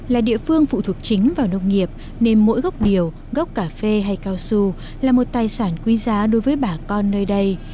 là địa phương phụ thuộc chính vào nông nghiệp nên mỗi gốc điều gốc cà phê hay cao su là một tài sản quý giá đối với bà con nơi đây